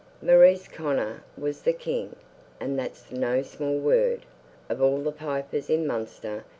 Maurice Connor was the king, and that's no small word, of all the pipers in Munster.